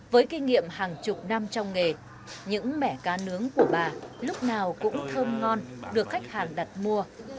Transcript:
với kinh nghiệm hàng chục năm trong nghề những mẻ cá nướng của bà lúc nào cũng thơm ngon được khách hàng đặt mua